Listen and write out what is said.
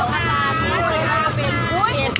ให้แก่เพียง